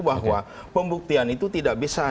saya akan hadapi semua